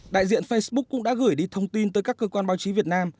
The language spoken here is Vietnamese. đại diện facebook cũng đã gửi đi thông tin tới các cơ quan báo chí việt nam